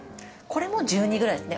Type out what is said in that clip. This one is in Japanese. これも１２ぐらいですね。